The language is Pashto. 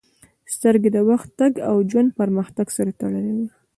• سترګې د وخت تګ او د ژوند پرمختګ سره تړلې دي.